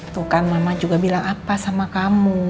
tuh kan mama juga bilang apa sama kamu